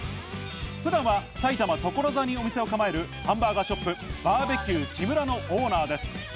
普段は埼玉・所沢にお店を構えるハンバーガーショップＢ．Ｂ．ＱＫＩＭＵＲＡのオーナーです。